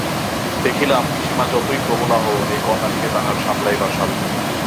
দেখিলাম, পিসিমা যতই প্রবলা হউন এই কন্যাটিকে তাঁহার সামলাইবার সাধ্য নাই।